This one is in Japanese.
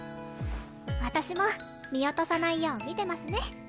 私も見落とさないよう見てますね。